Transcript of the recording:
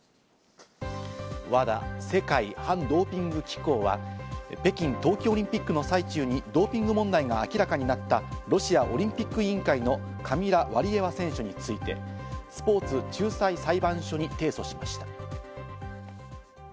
ＷＡＤＡ＝世界反ドーピング機構は北京冬季オリンピックの最中にドーピング問題が明らかになったロシアオリンピック委員会のカミラ・ワリエワ選手についてスポーツ仲裁裁判所に提訴しました。